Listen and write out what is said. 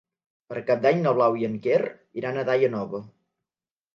Per Cap d'Any na Blau i en Quer iran a Daia Nova.